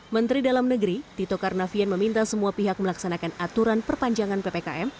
menteri dalam negeri tito karnavian meminta semua pihak melaksanakan aturan perpanjangan ppkm